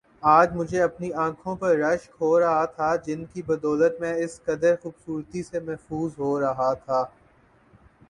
آج مجھے اپنی انکھوں پر رشک ہو رہا تھا جن کی بدولت میں اس قدر خوبصورتی سے محظوظ ہو رہا تھا